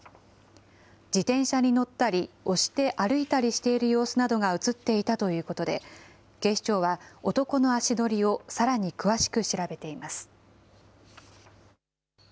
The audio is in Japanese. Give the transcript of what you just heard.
自転車に乗ったり押して歩いたりしている様子などが写っていたということで、警視庁は男の足取りをさらに詳しく調べています。